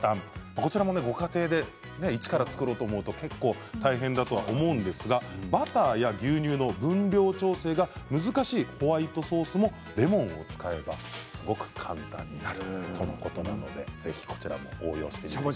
こちらのご家庭で一から作ろうと思うと結構大変だと思うんですがバターや牛乳の分量調整が難しいホワイトソースもレモンを使えばすごく簡単になるとのことなのでぜひ、こちらも応用してみてください。